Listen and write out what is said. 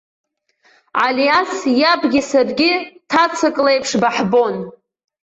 Алиас иабгьы саргьы ҭацак леиԥш баҳбон.